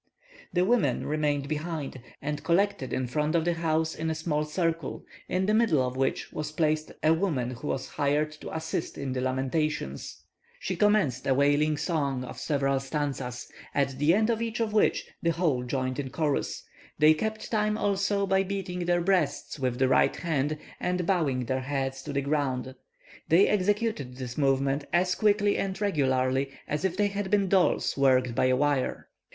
The women remained behind, and collected in front of the house in a small circle, in the middle of which was placed a woman who was hired to assist in the lamentations. She commenced a wailing song of several stanzas, at the end of each of which the whole joined in chorus; they kept time also by beating their breasts with the right hand and bowing their heads to the ground. They executed this movement as quickly and regularly as if they had been dolls worked by a wire.